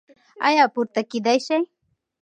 ایا پورته کیدی شئ؟